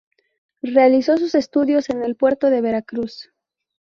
Realizó sus estudios en el puerto de Veracruz.